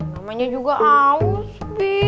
namanya juga aus bi